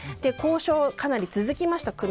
交渉がかなり続きました。